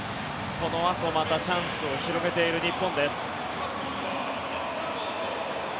そのあとまたチャンスを広げている日本です。